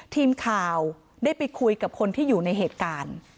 ทีมข่าวได้ไปคุยกับคนที่อยู่ในเหตุการณ์